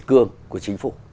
kể cương của chính phủ